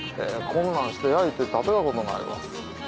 こんなんして焼いて食べたことないわ。